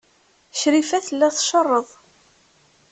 Crifa tella tcerreḍ.